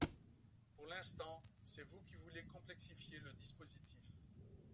Pour l’instant, c’est vous qui voulez complexifier le dispositif